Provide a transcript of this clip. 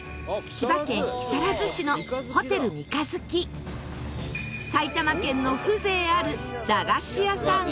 千葉県木更津市のホテル三日月埼玉県の風情ある駄菓子屋さん